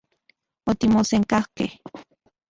Otimosenkajkej.